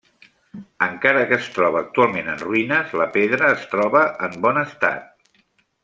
Encara que es troba actualment en ruïnes, la pedra es troba en bon estat.